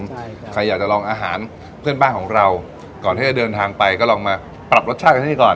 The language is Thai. ใช่ค่ะใครอยากจะลองอาหารเพื่อนบ้านของเราก่อนที่จะเดินทางไปก็ลองมาปรับรสชาติกันให้ก่อน